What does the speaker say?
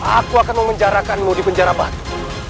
aku akan memenjarakanmu di penjara batu